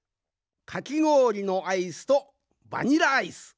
かきごおりのアイスとバニラアイス